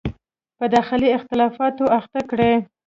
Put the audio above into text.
په داخلي اختلافاتو اخته کړي.